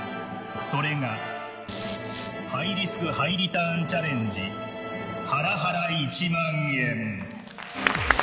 それがハイリスクハイリターンチャレンジハラハラ１万円。